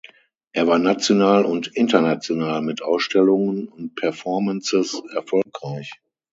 Er war national und international mit Ausstellungen und Performances erfolgreich.